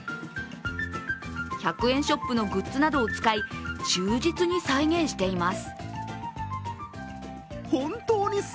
１００円ショップのグッズなどを使い忠実に再現しています。